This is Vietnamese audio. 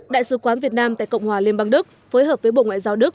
đại sứ quán việt nam tại cộng hòa liên bang đức phối hợp với bộ ngoại giao đức